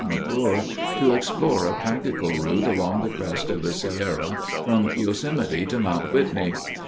McClure, to explore a practical route along the crest of the Sierra from Yosemite to Mount Whitney.